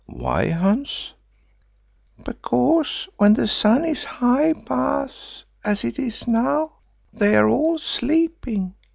"Why, Hans?" "Because when the sun is high, Baas, as it is now, they are all sleeping.